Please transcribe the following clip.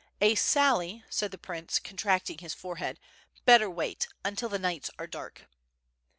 "A sally," said the prince, contracting his forehead, 'Haetter wait ... until the nights are dark."